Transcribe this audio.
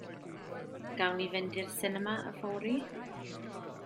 Gawn ni fynd i'r sinema yfory?